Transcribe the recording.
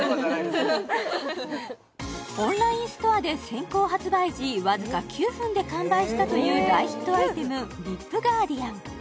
オンラインストアで先行発売時わずか９分で完売したという大ヒットアイテムＬＩＰＧＵＡＲＤＩＡＮ